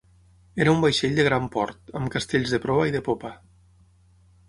Era un vaixell de gran port, amb castells de proa i de popa.